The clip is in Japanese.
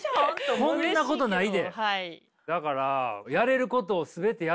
こんなことないで。